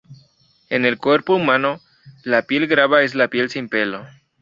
En el cuerpo humano, la piel glabra es la piel sin pelo.